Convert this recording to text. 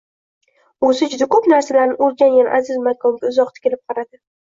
O‘zi juda ko‘p narsalarni o‘rgangan aziz makonga uzoq tikilib qaradi.